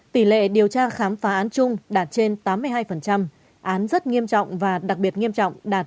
tỷ lệ điều tra khám phá án chung đạt trên tám mươi hai án rất nghiêm trọng và đặc biệt nghiêm trọng đạt chín mươi bốn tám